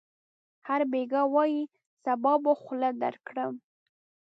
هر بېګا وايي: صبا به خوله درکړم.